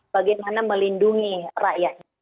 bagaimana melindungi rakyat